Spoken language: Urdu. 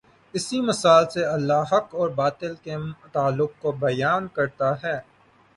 اسی مثال سے اللہ حق اور باطل کے تعلق کو بیان کرتا ہے۔